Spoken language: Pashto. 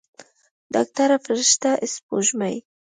ډاکتره فرشته سپوږمۍ.